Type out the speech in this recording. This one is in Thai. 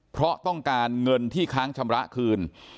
เพราะต้องการเงินที่ค้างชำระคืน